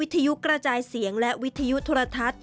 ทยุกระจายเสียงและวิทยุโทรทัศน์